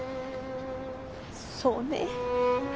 そうね。